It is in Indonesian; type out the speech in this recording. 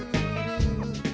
sejak nam embrace